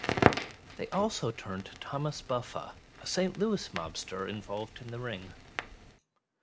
They also turned Thomas Buffa, a Saint Louis mobster involved in the ring.